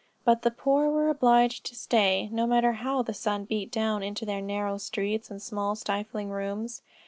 But the poor were obliged to stay, no matter how the sun beat down into their narrow streets and small stifling rooms.